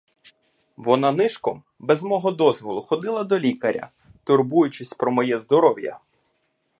Вона нишком, без мого дозволу, ходила до лікаря, турбуючись про моє здоров'я.